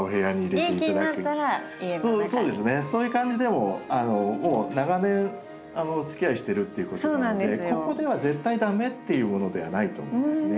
もう長年おつきあいしてるっていうことなのでここでは絶対駄目っていうものではないと思うんですね。